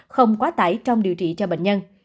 không quá tải trong điều trị cho bệnh nhân